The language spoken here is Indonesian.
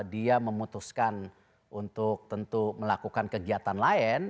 dia memutuskan untuk tentu melakukan kegiatan lain